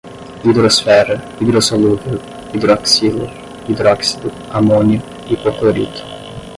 hidrosfera, hidrossolúvel, hidroxila, hidróxido, amônio, hipoclorito